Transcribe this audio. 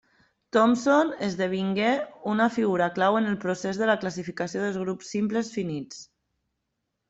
Thompson esdevingué una figura clau en el procés de la classificació dels grups simples finits.